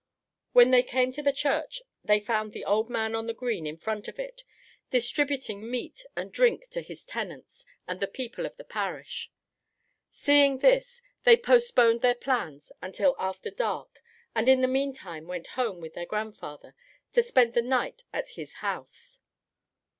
When they came to the church, they found the old man on the green in front of it, distributing meat and drink to his tenants and the people of the parish. Seeing this, they postponed their plans until after dark and in the meantime went home with their grandfather, to spend the night at his house.